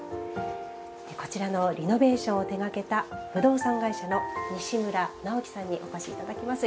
こちらのリノベーションを手がけた不動産会社の西村直己さんにお越しいただきました。